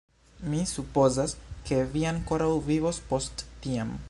Mi supozas, ke vi ankoraŭ vivos post tiam.